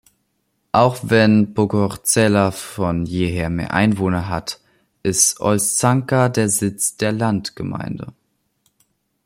Auch wenn Pogorzela von jeher mehr Einwohner hat, ist Olszanka der Sitz der Landgemeinde.